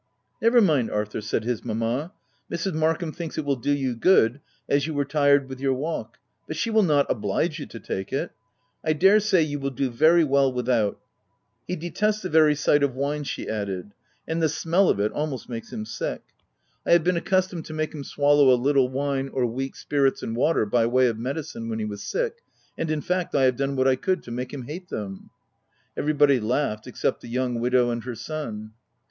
u Never mind, Arthur," said his mamma, " Mrs. Markham thinks it will do you good, as you were tired with your walk ; but she will not oblige you to take it ;— I dare say you will do very well without. He detests the very sight of wine/' she added, " and the smell of it OF WILDFELL HALL., 49 almost makes him sick. I have been accus tomed to make him swallow a little wine or weak spirits and water, by way of medicine when he was sick, and, in fact, I have done what I could to make him hate them." Everybody laughed, except the young widow and her son.